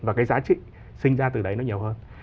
và cái giá trị sinh ra từ đấy nó nhiều hơn